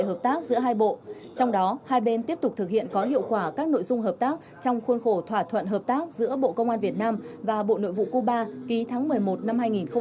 hai bên tiếp tục thực hiện có hiệu quả các nội dung hợp tác trong khuôn khổ thỏa thuận hợp tác giữa bộ công an việt nam và bộ nội vụ cuba ký tháng một mươi một năm hai nghìn một mươi bảy